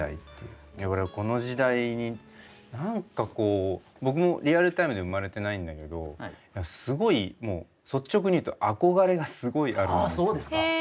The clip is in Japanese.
この時代に何かこう僕もリアルタイムで生まれてないんだけどすごいもう率直に言うと憧れがすごいあるんですよ。